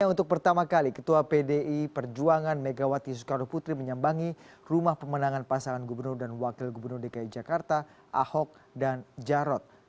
untuk pertama kali ketua pdi perjuangan megawati soekarno putri menyambangi rumah pemenangan pasangan gubernur dan wakil gubernur dki jakarta ahok dan jarot